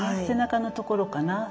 背中のところかな。